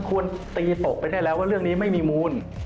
ควรตีตกไปได้แล้วว่าเรื่องนี้ไม่มีมูล